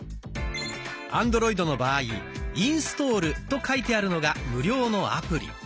アンドロイドの場合「インストール」と書いてあるのが無料のアプリ。